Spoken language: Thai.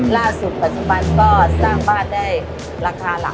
ล่าสุดปัจจุบันก็สร้างบ้านได้ราคาหลัก